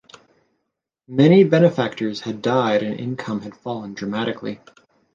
Many benefactors had died and income had fallen dramatically.